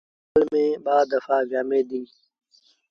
ٻڪريٚ سآل ميݩ ٻآ دڦآ ويٚآمي ديٚ۔